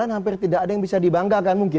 hampir tidak ada yang bisa dibanggakan mungkin